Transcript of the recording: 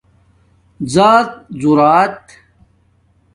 ذآتذݸرات